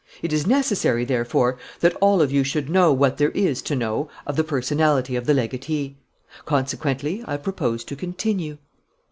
It is necessary, therefore, that all of you should know what there is to know of the personality of the legatee. Consequently, I propose to continue